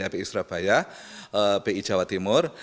fpi surabaya bi jawa timur